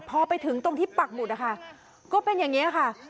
พอไปถึงตรงที่ปักหมุดนะคะก็เป็นอย่างนี้ค่ะ